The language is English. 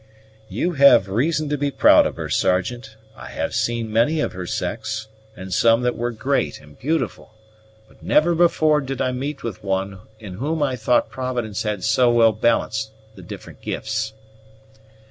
"You have reason to be proud of her, Sergeant. I have seen many of her sex, and some that were great and beautiful; but never before did I meet with one in whom I thought Providence had so well balanced the different gifts."